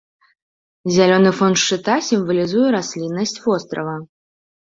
Зялёны фон шчыта сімвалізуе расліннасць вострава.